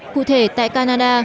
cụ thể tại canada